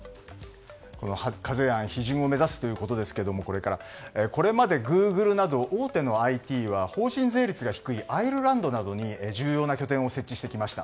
この課税案をこれから目指すということですがこれまでグーグルなど大手のＩＴは法人税率が低いアイルランドなどに重要な拠点を設置してきました。